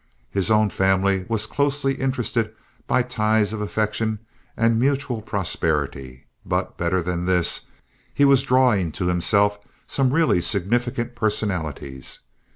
His own family was closely interested by ties of affection and mutual prosperity, but, better than this, he was drawing to himself some really significant personalities.